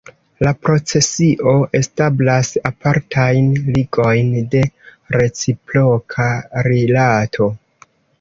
La procesio establas apartajn ligojn de reciproka Rilato.